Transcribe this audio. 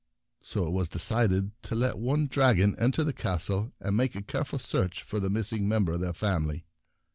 So it was decided to let one dragon enter the castle and make a careful search for the missing member of their family.